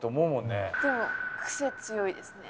でも癖強いですね。